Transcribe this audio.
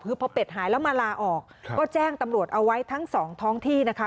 คือพอเป็ดหายแล้วมาลาออกก็แจ้งตำรวจเอาไว้ทั้งสองท้องที่นะคะ